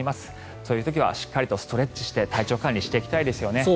こういう時にはしっかりストレッチをして体調管理していきたいですね。